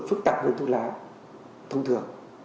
phức tạp hơn thuốc lá thông thường